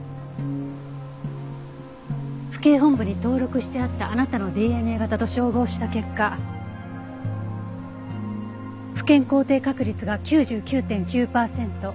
府警本部に登録してあったあなたのＤＮＡ型と照合した結果父権肯定確率が９９．９パーセント。